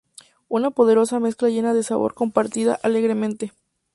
Una poderosa mezcla llena de sabor compartida alegremente.